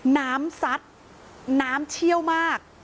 ซัดน้ำเชี่ยวมาก